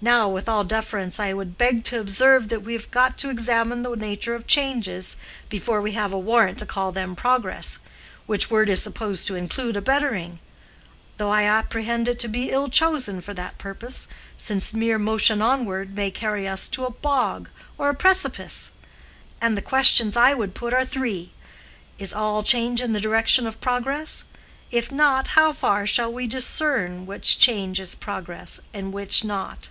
Now, with all deference, I would beg t' observe that we have got to examine the nature of changes before we have a warrant to call them progress, which word is supposed to include a bettering, though I apprehend it to be ill chosen for that purpose, since mere motion onward may carry us to a bog or a precipice. And the questions I would put are three: Is all change in the direction of progress? if not, how shall we discern which change is progress and which not?